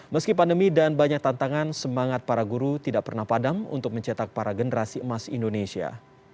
meski pandemi dan banyak tantangan semangat para guru tidak pernah padam untuk mencetak para generasi emas indonesia